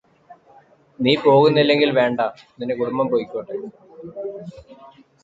നീ പോകുന്നില്ലെങ്കില് വേണ്ട നിന്റെ കുടുംബം പൊയ്കോട്ടെ